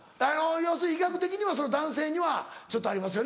要するに医学的には男性にはちょっとありますよね。